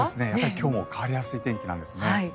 今日も変わりやすい天気なんですね。